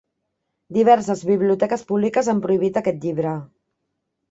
Diverses biblioteques públiques han prohibit aquest llibre.